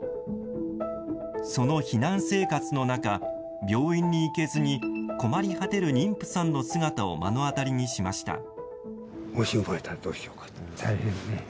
その避難生活の中、病院に行けずに困り果てる妊婦さんの姿を目の当たりにしました。